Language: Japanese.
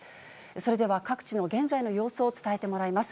それでは各地の現在の様子を伝えてもらいます。